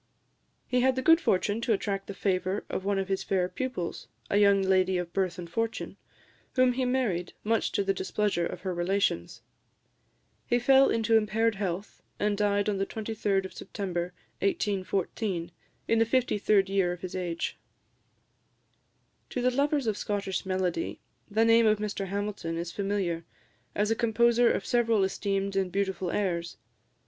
He had the good fortune to attract the favour of one of his fair pupils a young lady of birth and fortune whom he married, much to the displeasure of her relations. He fell into impaired health, and died on the 23d of September 1814, in the fifty third year of his age. To the lovers of Scottish melody the name of Mr Hamilton is familiar, as a composer of several esteemed and beautiful airs.